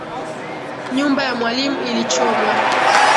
Nyumba ya mwalimu ilichomwa